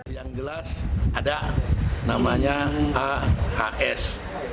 yang jelas ada namanya hs